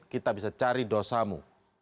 kita bisa cari dosamu